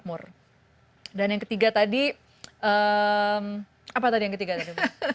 dan supaya mereka lebih punya kepastian dan kehidupan yang lebih baik